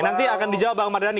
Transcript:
nanti akan dijawab bang mardhani